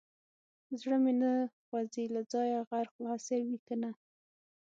زړه مې نه خوځي له ځايه غر خو هسې وي کنه.